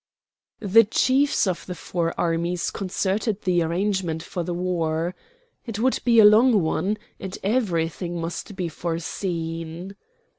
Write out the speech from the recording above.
The chiefs of the four armies concerted the arrangements for the war. It would be a long one, and everything must be foreseen.